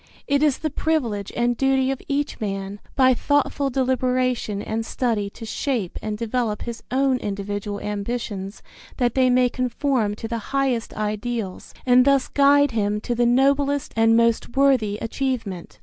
It is the privilege and duty of each man, by thoughtful deliberation and study to shape and develop his own individual ambitions that they may conform to the highest ideals and thus guide him to the noblest and most worthy achievement.